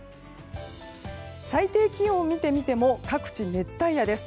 最低気温を見てみても各地熱帯夜です。